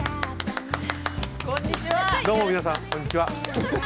どうも皆さんこんにちは。